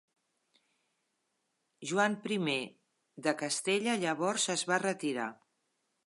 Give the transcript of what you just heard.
Joan I de Castella llavors es va retirar.